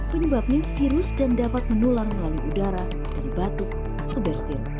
penyebabnya virus dan dapat menular melalui udara dari batuk atau bersin